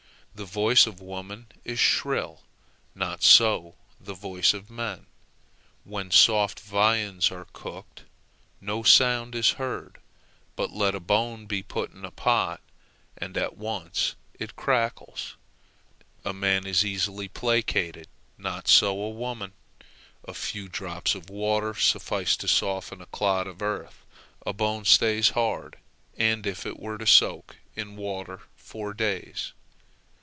The voice of women is shrill, not so the voice of men; when soft viands are cooked, no sound is heard, but let a bone be put in a pot, and at once it crackles. A man is easily placated, not so a woman; a few drops of water suffice to soften a clod of earth; a bone stays hard, and if it were to soak in water for days.